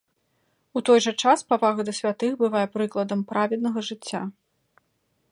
У той жа час павага да святых бывае прыкладам праведнага жыцця.